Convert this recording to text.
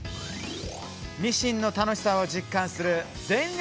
ミシンの楽しさを実感する「全力！